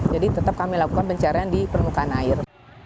jadi tetap kami lakukan pencarian di permukaan air